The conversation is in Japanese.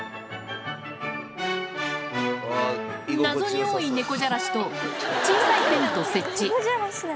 謎に多い猫じゃらしと、小さいテント設置。